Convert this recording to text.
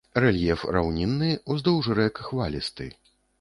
Рэльеф раўнінны, уздоўж рэк хвалісты.